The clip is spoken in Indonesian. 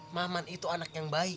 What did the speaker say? maman itu anak yang baik